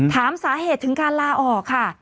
ถามสาเหตุถึงการลาออกค่ะ